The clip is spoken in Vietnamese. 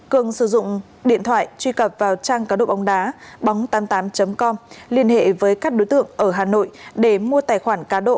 cường sử dụng điện thoại truy cập vào trang cá độ bóng đá bóng tám mươi tám com liên hệ với các đối tượng ở hà nội để mua tài khoản cá độ